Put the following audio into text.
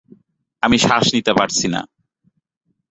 আমি শ্বাস নিতে পারছি না।